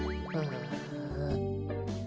ああ。